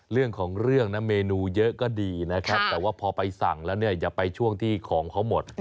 เรื่องของเรื่องนะเมนูเยอะก็ดีนะครับแต่ว่าพอไปสั่งแล้วเนี่ยอย่าไปช่วงที่ของเขาหมด